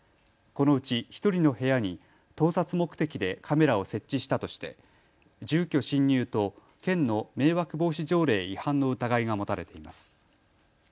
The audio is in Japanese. このうち１人の部屋に盗撮目的でカメラを設置したとして住居侵入と県の迷惑防止条例違反の疑いが持たれています。